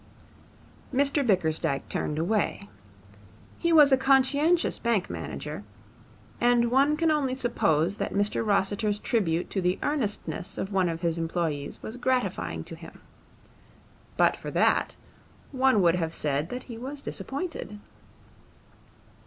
Mr Bickersdyke turned away. He was a conscientious bank manager, and one can only suppose that Mr Rossiter's tribute to the earnestness of one of his employes was gratifying to him. But for that, one would have said that he was disappointed.